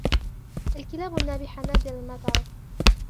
الكلاب النابحة نادراً ما تعض.